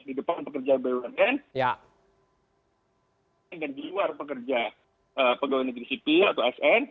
di depan pekerja bumn dan di luar pekerja pegawai negeri sipil atau asn